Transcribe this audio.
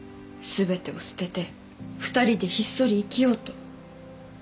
全てを捨てて２人でひっそり生きようと。